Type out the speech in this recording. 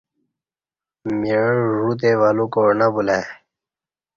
مِعہ ژ وتے ولو کاع نہ بُلہ ای